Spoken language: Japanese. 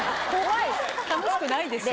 楽しくないでしょ？